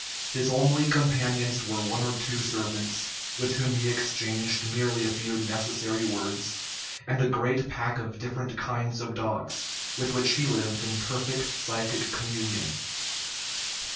His only companions were one or two servants, with whom he exchanged merely a few necessary words, and a great pack of different kinds of dogs, with which he lived in perfect psychic communion.